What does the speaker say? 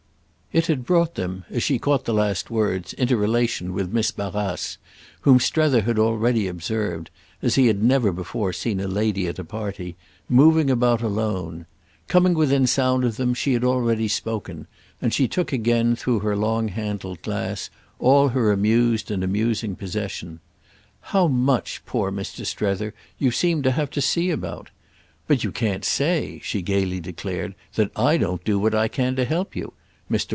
It had brought them, as she caught the last words, into relation with Miss Barrace, whom Strether had already observed—as he had never before seen a lady at a party—moving about alone. Coming within sound of them she had already spoken, and she took again, through her long handled glass, all her amused and amusing possession. "How much, poor Mr. Strether, you seem to have to see about! But you can't say," she gaily declared, "that I don't do what I can to help you. Mr.